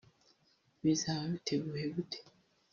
Bizaba biteye gute